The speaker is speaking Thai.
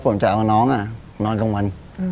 ผมจะเอาน้องนอนกลางวัน